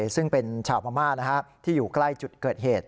ซึ่งเป็นชาวพม่าที่อยู่ใกล้จุดเกิดเหตุ